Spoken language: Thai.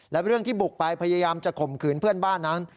และเรื่องที่บุกไปพยายามจะข่มขืนเพื่อนบ้านนั้น